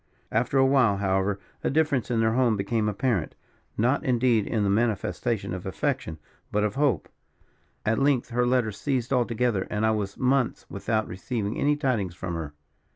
"After a while, however, a difference in their tone became apparent. Not, indeed, in the manifestation of affection, but of hope. At length her letters ceased altogether; and I was months without receiving any tidings from her.